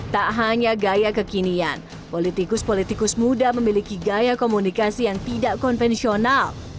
tak hanya gaya kekinian politikus politikus muda memiliki gaya komunikasi yang tidak konvensional